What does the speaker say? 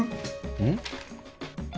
うん？